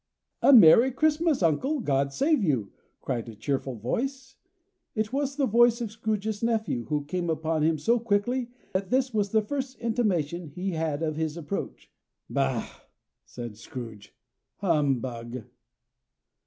"A merry Christmas, uncle! God save you!" cried a cheerful voice. It was the voice of Scrooge's nephew, who came upon him so quickly that this was the first intimation he had of his approach. "Bah!" said Scrooge. "Humbug!"